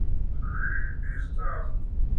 Creepy stuff.